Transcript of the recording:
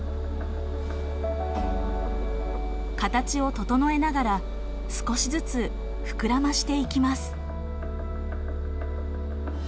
形を整えながら少しずつ膨らましていきます。